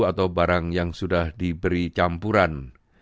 atau barang yang sudah diberi campuran